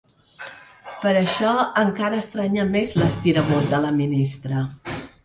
Per això encara estranya més l’estirabot de la ministra.